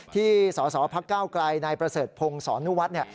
ที่สสพักก้าวไกลนายประเสริฐพงศรนุวัฒน์